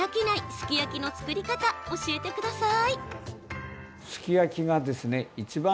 すき焼きの作り方教えてください。